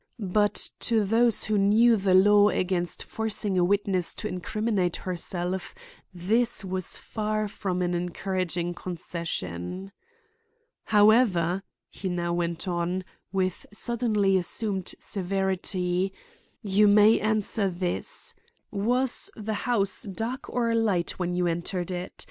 But to those who knew the law against forcing a witness to incriminate himself, this was far from an encouraging concession. "However," he now went on, with suddenly assumed severity, "you may answer this. Was the house dark or light when you entered it?